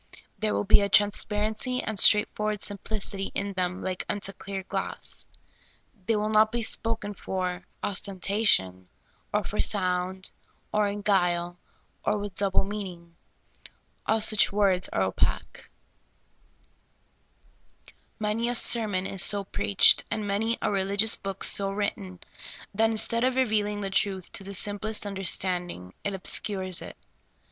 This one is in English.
There will be a transparency and straightforward sim plicity in them like unto clear glass. The}' will not be spoken for ostentation, or for sound, or in guile, or with double meaning. All such words are opaque. Many a sermon is so preached, and many a relig ious book so written, that instead of revealing the truth to the simplest understanding, it obscures it.